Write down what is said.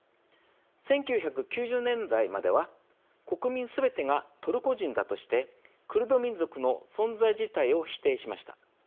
１９９０年代までは国民すべてがトルコ人だとしてクルド民族の存在自体を否定しました。